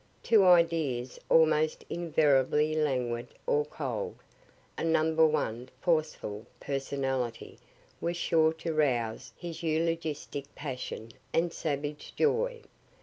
To ideas almost invariably languid or cold, a number one forceful personality was sure to rouse his eulogistic passion and savage joy.